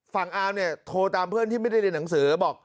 อามเนี่ยโทรตามเพื่อนที่ไม่ได้เรียนหนังสือบอก